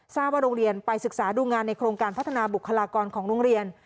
ว่าโรงเรียนไปศึกษาดูงานในโครงการพัฒนาบุคลากรของโรงเรียน